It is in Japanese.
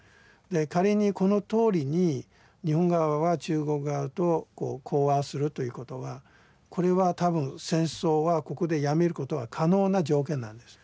仮にこのとおりに日本側は中国側と講和するということがこれは多分戦争はここでやめることは可能な条件なんです。